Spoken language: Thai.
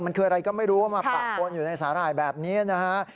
มันคืออะไรก็ไม่รู้ว่ามาปะปนอยู่ในสาหร่ายแบบนี้นะฮะ